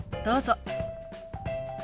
どうぞ。